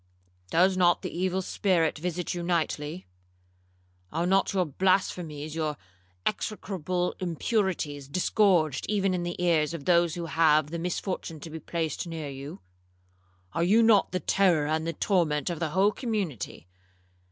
'—'Does not the evil spirit visit you nightly? Are not your blasphemies, your execrable impurities, disgorged even in the ears of those who have the misfortune to be placed near you? Are you not the terror and the torment of the whole community?'